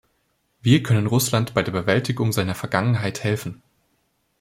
Wir können Russland bei der Bewältigung seiner Vergangenheit helfen.